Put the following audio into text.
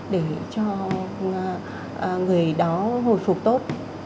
để cho người đó hồi phục tốt